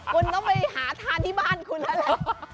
คุณต้องไปหาทานที่บ้านคุณแล้วแหละ